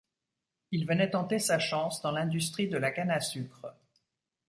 Il venait tenter sa chance dans l'industrie de la canne à sucre.